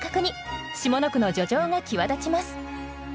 下の句の叙情が際立ちます。